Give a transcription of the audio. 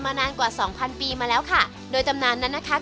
นานกว่าสองพันปีมาแล้วค่ะโดยตำนานนั้นนะคะ